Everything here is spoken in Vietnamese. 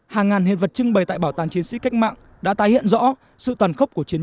hàng ngàn hiện vật trưng bày tại bảo tàng chiến sĩ cách mạng đã tái hiện rõ sự tàn khốc của chiến